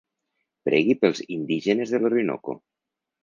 Pregui pels indígenes de l'Orinoco.